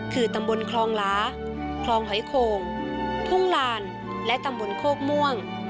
คือตำบลคลองลาคลองหอยโข่งทุ่งลานและตำบลโคกม่วง